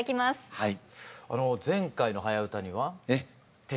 はい。